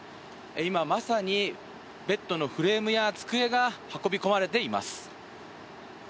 今、まさにベッドのフレームや机が運び込まれています。